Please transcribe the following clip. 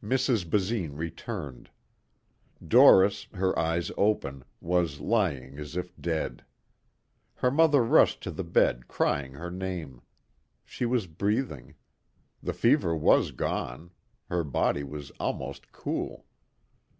Mrs. Basine returned. Doris, her eyes open, was lying as if dead. Her mother rushed to the bed crying her name. She was breathing. The fever was gone. Her body was almost cool.